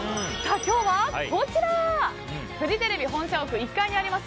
今日はこちらフジテレビ本社屋１階にあります